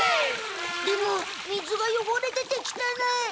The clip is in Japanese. でも水がよごれててきたない。